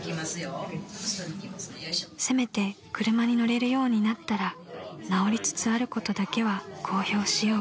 ［せめて車に乗れるようになったら治りつつあることだけは公表しよう］